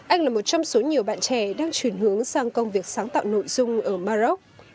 anh là một trong số nhiều bạn trẻ đang chuyển hướng sang công việc sáng tạo nội dung ở maroc